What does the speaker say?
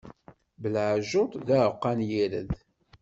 Belɛejjuṭ d uɛeqqa n yired.